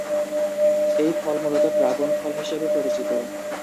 এই ফল মূলত ড্রাগন ফল হিসেবে পরিচিত।